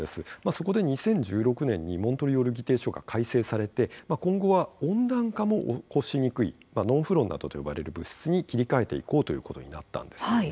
そこで２０１６年にモントリオール議定書が改正されて今後は温暖化も起こしにくいノンフロンなどと呼ばれる物質に切り替えていこうということになったんですね。